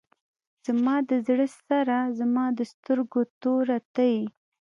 زما د زړه سره زما د سترګو توره ته یې.